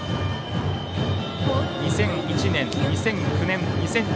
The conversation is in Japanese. ２００１年、２００９年２０１７年。